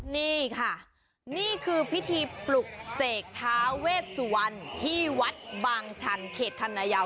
นี่ค่ะนี่คือพิธีปลุกเสกท้าเวทสุบันที่วัดบางชันเขตธรรมดา